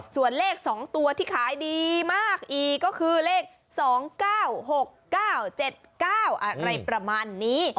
ส่วนเลข๒ตัวที่ขายดีมากอีกก็คือเลข๒๙๖๙๗๙อะไรประมาณนี้